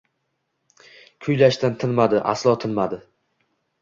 Kuylashdan tinmadi, aslo tinmadi.